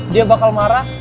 dia bakal marah